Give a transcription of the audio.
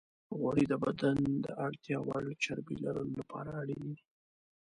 غوړې د بدن د اړتیا وړ چربی لرلو لپاره اړینې دي.